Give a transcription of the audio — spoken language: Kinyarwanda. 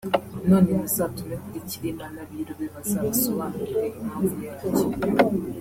none muzatume kuri Cyirima n’abiru be bazabasobanurire impamvu ya byo